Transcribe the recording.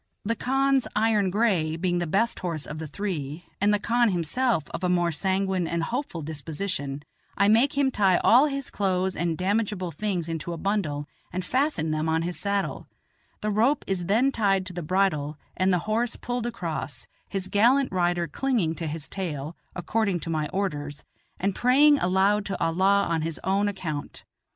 The khan's iron gray being the best horse of the three, and the khan himself of a more sanguine and hopeful disposition, I make him tie all his clothes and damageable things into a bundle and fasten them on his saddle; the rope is then tied to the bridle and the horse pulled across, his gallant rider clinging to his tail, according to my orders, and praying aloud to Allah on his own account.